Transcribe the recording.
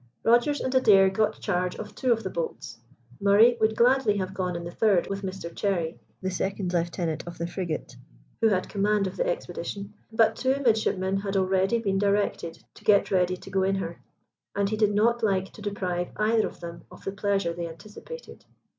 Rogers and Adair got charge of two of the boats. Murray would gladly have gone in the third with Mr Cherry, the second lieutenant of the frigate, who had command of the expedition, but two midshipmen had already been directed to get ready to go in her, and he did not like to deprive either of them of the pleasure they anticipated.